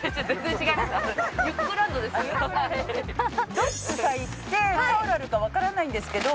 どっちか行ってタオルあるかわからないんですけど。